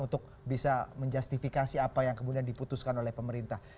untuk bisa menjustifikasi apa yang kemudian diputuskan oleh pemerintah